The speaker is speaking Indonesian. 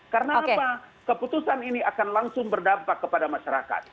karena apa keputusan ini akan langsung berdampak kepada masyarakat